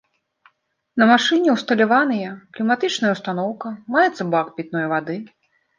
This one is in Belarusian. На машыне ўсталяваныя кліматычная ўстаноўка, маецца бак пітной вады.